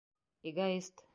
Эгоист!